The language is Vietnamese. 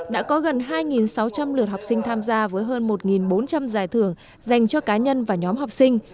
đã có gần hai sáu trăm linh lượt học sinh tham gia với hơn một bốn trăm linh giải thưởng dành cho cá nhân và nhóm học sinh